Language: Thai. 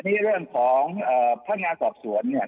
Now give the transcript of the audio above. แต่นี้เรื่องของธุรกิจผลักษณะสวนเนี่ย